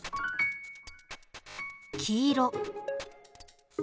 黄色。